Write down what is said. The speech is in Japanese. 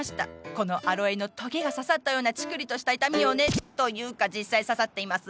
このアロエのトゲが刺さったようなチクリとした痛みをね！というか実際刺さっています！